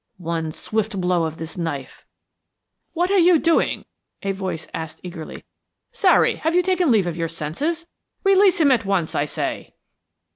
One swift blow of this knife " "What are you doing?" a voice asked eagerly. "Zary, have you taken leave of your senses? Release him at once, I say."